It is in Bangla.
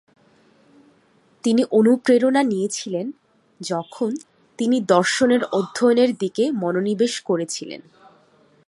তিনি অনুপ্রেরণা নিয়েছিলেন যখন তিনি দর্শনের অধ্যয়নের দিকে মনোনিবেশ করেছিলেন।